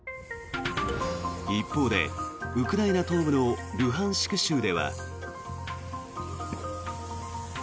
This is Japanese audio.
一方で、ウクライナ東部のルハンシク州では。